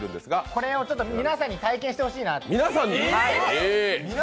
これを皆さんに体験してほしいなと。